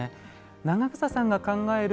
長艸さんが考える